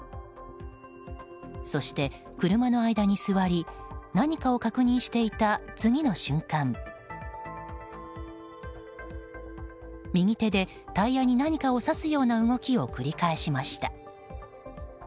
そして車の間に座り何かを確認していた次の瞬間、右手でタイヤに何かを刺すような動きを繰り返しました。